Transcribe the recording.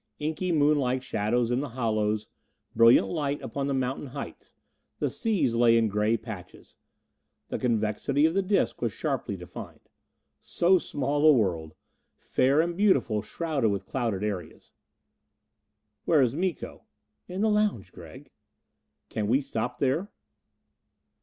Inky moonlike shadows in the hollows, brilliant light upon the mountain heights. The seas lay in gray patches. The convexity of the disc was sharply defined. So small a world! Fair and beautiful, shrouded with clouded areas. "Where is Miko?" "In the lounge, Gregg." "Can we stop there?"